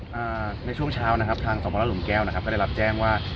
อ่าในช่วงเช้านะครับทางสมรหลุมแก้วนะครับก็ได้รับแจ้งว่า